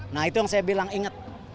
nah itu yang saya bilang ingat